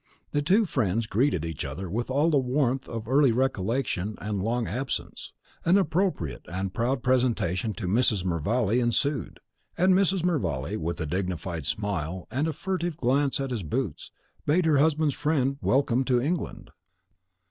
The two friends greeted each other with all the warmth of early recollection and long absence. An appropriate and proud presentation to Mrs. Mervale ensued; and Mrs. Mervale, with a dignified smile, and a furtive glance at his boots, bade her husband's friend welcome to England.